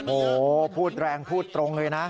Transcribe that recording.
โอ้โหพูดแรงพูดตรงเลยนะ